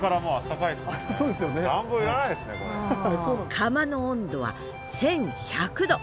窯の温度は１，１００℃！